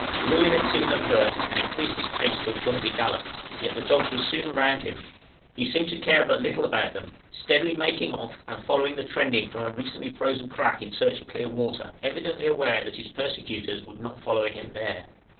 Bruin had seen them first, and increased his pace to a clumsy gallop, yet the dogs were soon around him; he seemed to care but little about them, steadily making off and following the trending of a recently frozen crack in search of clear water, evidently aware that his persecutors would not follow him there.